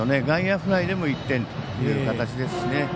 外野フライでも１点という形ですし。